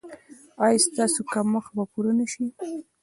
ایا ستاسو کمښت به پوره نه شي؟